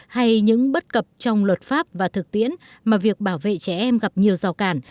hay những bất cập trong luật pháp và thực tiễn mà việc bảo vệ trẻ em gặp nhiều rào càn